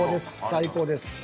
最高です。